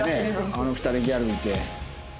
あの２人ギャルいて。